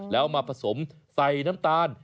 แล้วมาผสมใส่น้ำตาล